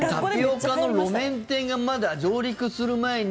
タピオカの路面店がまだ上陸する前に。